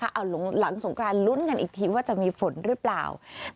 ไทยยังคงมีนะคะหลังสงครานลุ้นกันอีกทีว่าจะมีฝนหรือเปล่า